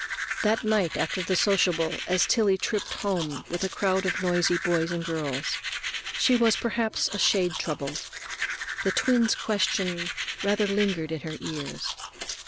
That night after the sociable, as Tillie tripped home with a crowd of noisy boys and girls, she was perhaps a shade troubled. The twin's question rather lingered in her ears.